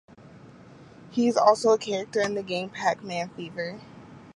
He is also a character in the game "Pac-Man Fever".